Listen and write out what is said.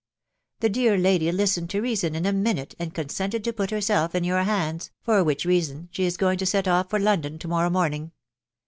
•. The dear lady listened to reason in a minute, and consented to put herself in your hands, for which reason she is going to set off for London to morrow morning.